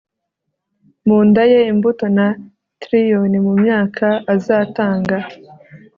mu nda ye imbuto ya trillioni mumyaka azatanga